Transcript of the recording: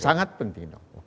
oh sangat penting